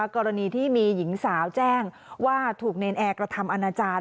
กรณีที่มีหญิงสาวแจ้งว่าถูกเนรนแอร์กระทำอนาจารย์